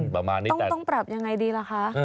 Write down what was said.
ประมาณนี้แต่ต้องปรับอย่างไรดีล่ะคะ